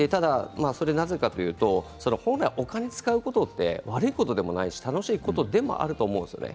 なぜかというと本来お金を使うことって悪いことでもないし楽しいことでもあると思うんですよね。